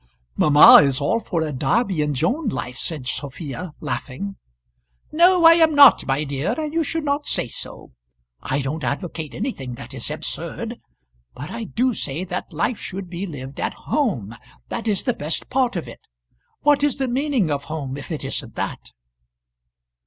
"Mamma is all for a Darby and Joan life," said Sophia, laughing. "No I am not, my dear; and you should not say so. I don't advocate anything that is absurd. But I do say that life should be lived at home. That is the best part of it. What is the meaning of home if it isn't that?"